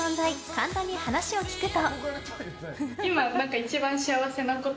神田に話を聞くと。